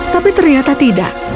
tapi ternyata tidak